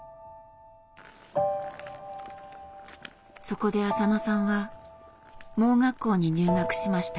そこで浅野さんは盲学校に入学しました。